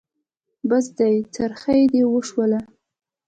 بس دی؛ څرخی دې وشوله.